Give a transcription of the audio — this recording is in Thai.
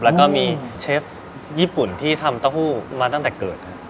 แล้วก็มีเชฟญี่ปุ่นที่ทำเต้าหู้มาตั้งแต่เกิดครับ